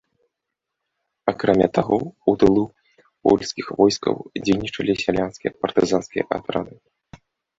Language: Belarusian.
Акрамя таго, у тылу польскі войскаў дзейнічалі сялянскія партызанскія атрады.